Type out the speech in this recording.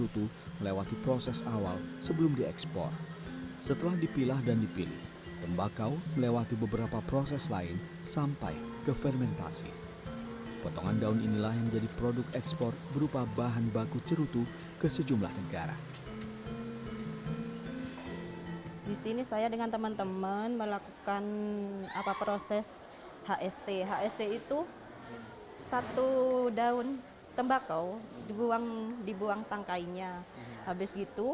otomatis pasar dunia sebenarnya memperebutkan antara dua negara besar ini